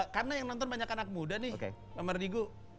karena yang nonton banyak anak muda nih pak mardigu